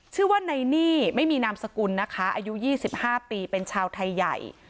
ชื่อว่าในนี่ไม่มีนามสกุลนะคะอายุ๒๕ปีเป็นชาวไทยใหญ่